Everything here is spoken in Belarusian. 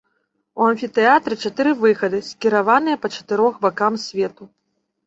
У амфітэатры чатыры выхады скіраваныя па чатырох бакам свету.